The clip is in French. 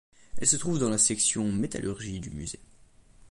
Elle se trouve dans la section métallurgie du musée.